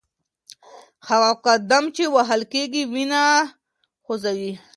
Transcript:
هغه قدم چې وهل کېږي وینه خوځوي.